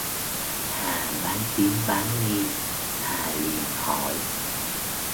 hà Bán tín bán Nghi Hà liền hỏi